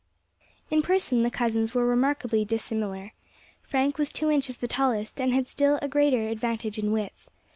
In person the cousins were remarkably dissimilar. Frank was two inches the tallest, and had a still greater advantage in width.